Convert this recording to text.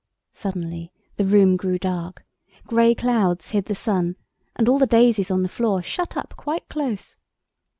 Suddenly the room grew dark, grey clouds hid the sun, and all the daisies on the floor shut up quite close.